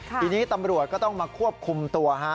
ทีนี้ตำรวจก็ต้องมาควบคุมตัวฮะ